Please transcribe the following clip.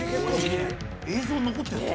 映像残ってるの？